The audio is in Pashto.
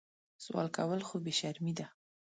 سوال کول خو بې شرمي ده